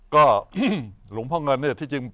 ก็หลวงพ่อเงินนี่แหละที่จริง